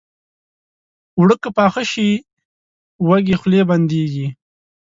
اوړه که پاخه شي، وږې خولې بندېږي